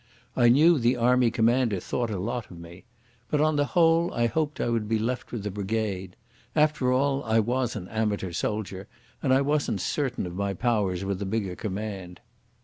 I knew the Army Commander thought a lot of me. But on the whole I hoped I would be left with the brigade. After all I was an amateur soldier, and I wasn't certain of my powers with a bigger command.